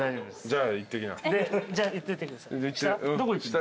じゃあ行っといてください下？